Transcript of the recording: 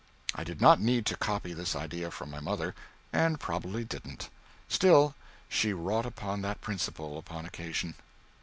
I did not need to copy this idea from my mother, and probably didn't. Still she wrought upon that principle upon occasion.